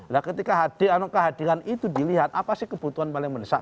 nah ketika hadir anak kehadiran itu dilihat apa sih kebutuhan paling menesak